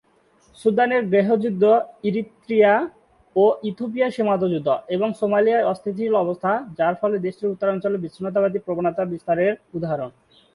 সুদানের গৃহযুদ্ধ, ইরিত্রিয়া ও ইথিওপিয়ার সীমান্ত যুদ্ধ, এবং সোমালিয়ার অস্থিতিশীল অবস্থা, যার ফলে দেশটির উত্তরাঞ্চলে বিচ্ছিন্নতাবাদী প্রবণতার বিস্তার এর উদাহরণ।